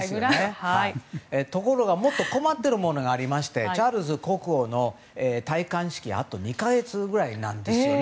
ところが、もっと困っているものがありましてチャールズ国王の戴冠式まであと２か月ぐらいなんですね。